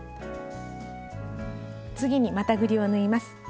次にまたぐりを縫います。